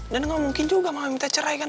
nah dan gak mungkin juga mama minta cerai kan